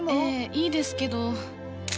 ええいいですけど。